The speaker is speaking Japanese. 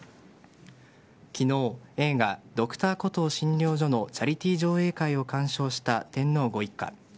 昨日映画「Ｄｒ．コトー診療所」のチャリティー上映会を鑑賞した天皇ご一家。